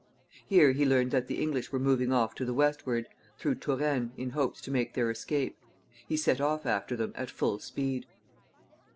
Here he learned that the English were moving off to the westward, through Touraine, in hopes to make their escape. He set off after them at full speed.